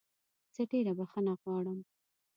زه ډېره بخښنه غواړم.